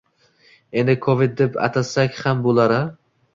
Endi Covid- deb atasak ham bo'lar-a?..